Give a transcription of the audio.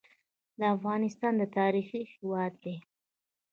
افغانستان د تاریخ هیواد دی